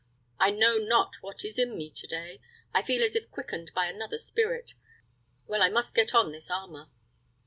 I know not what is in me to day. I feel as if quickened by another spirit. Well, I must get on this armor."